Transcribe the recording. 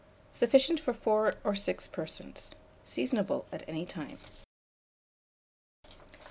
Sufficient for 4 or 6 persons. Seasonable at any time.